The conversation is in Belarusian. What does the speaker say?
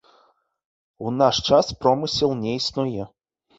У наш час промысел не існуе.